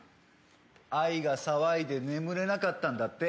愛が騒いで眠れなかったんだって。